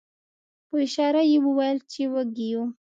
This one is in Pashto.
په اشاره یې وویل چې وږي یو.